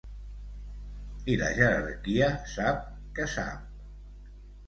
I la jerarquia sap que sap.